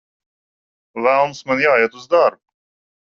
Velns, man jāiet uz darbu!